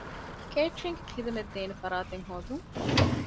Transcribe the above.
ކޭޓްރިންގ ޚިދުމަތްދޭނެ ފަރާތެއް ހޯދުން